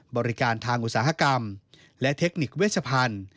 บริการทางอุตสาหกรรมและเทคนิคเวชพันธุ์